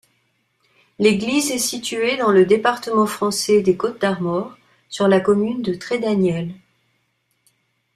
L'église est située dans le département français des Côtes-d'Armor, sur la commune de Trédaniel.